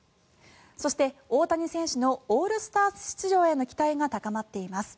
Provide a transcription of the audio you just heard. そして、大谷選手のオールスター出場への期待が高まっています。